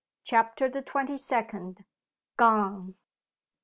CHAPTER THE TWENTY SECOND. GONE.